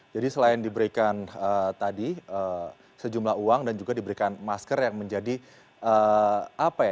jadi selain diberikan tadi sejumlah uang dan juga diberikan masker yang menjadi apa ya